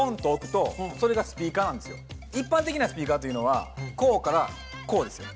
一般的なスピーカーというのはこうからこうですよ。